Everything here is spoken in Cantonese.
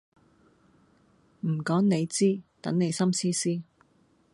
唔講你知，等你心思思